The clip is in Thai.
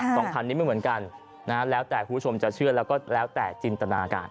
สองพันนี้ไม่เหมือนกันนะฮะแล้วแต่คุณผู้ชมจะเชื่อแล้วก็แล้วแต่จินตนาการ